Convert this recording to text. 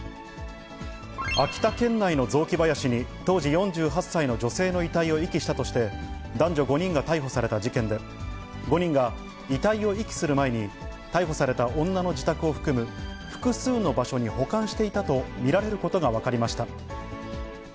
秋田県内の雑木林に、当時４８歳の女性の遺体を遺棄したとして男女５人が逮捕された事件で、５人が、遺体を遺棄する前に逮捕された女の自宅を含む複数の場所に保管していたと見られることが分かりました。